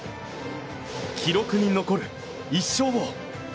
記録に残る１勝を。